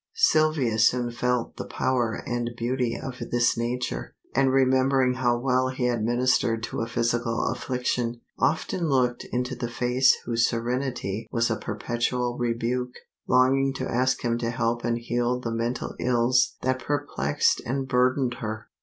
Sylvia soon felt the power and beauty of this nature, and remembering how well he had ministered to a physical affliction, often looked into the face whose serenity was a perpetual rebuke, longing to ask him to help and heal the mental ills that perplexed and burdened her.